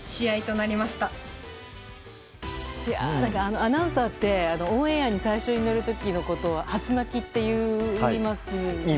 アナウンサーってオンエアに最初に乗る時のこと初鳴きって言いますよね。